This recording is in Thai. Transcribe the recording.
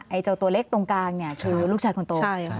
เจ้าตัวเล็กตรงกลางเนี่ยคือลูกชายคนโต